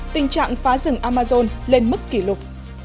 tình trạng phá rừng amazon lên mức kỷ lục